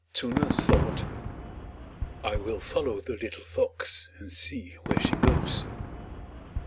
Tsunu thought, "I will follow the little fox and see where she goes."